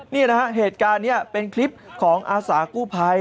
นี่นะฮะเหตุการณ์นี้เป็นคลิปของอาสากู้ภัย